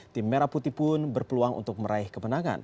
tim merah putih pun berpeluang untuk meraih kemenangan